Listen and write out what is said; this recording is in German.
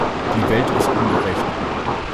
Die Welt ist ungerecht.